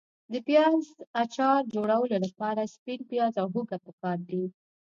د پیاز اچار جوړولو لپاره سپین پیاز او هوګه پکار دي.